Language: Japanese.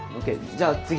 じゃあ次。